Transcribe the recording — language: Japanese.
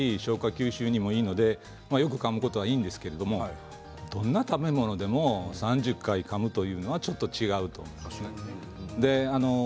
吸収にもいいのでかむことはいいんですがどんな食べ物でも３０回かむというのはちょっと違うと思いますね。